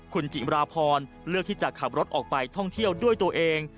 คุณจิมราพรเลือกที่จะขับรถออกไปท่องเที่ยวด้วยตัวเอง